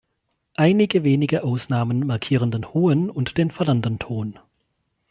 Einige wenige Ausnahmen markieren den hohen und den fallenden Ton.